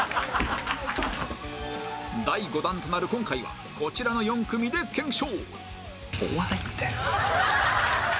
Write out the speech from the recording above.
第５弾となる今回はこちらの４組で検証